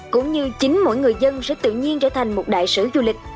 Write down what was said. cũng như chính mỗi người dân sẽ tự nhiên trở thành một đại sứ du lịch